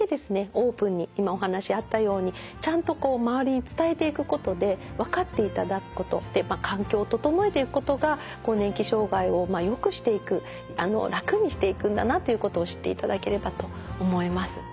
オープンに今お話あったようにちゃんと周りに伝えていくことで分かっていただくこと環境を整えていくことが更年期障害をよくしていく楽にしていくんだなということを知っていただければと思います。